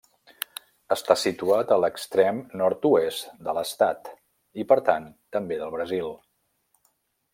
Està situat a l'extrem nord-oest de l'estat i, per tant, també del Brasil.